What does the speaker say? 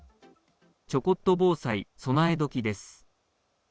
「ちょこっと防災そなえドキ」です。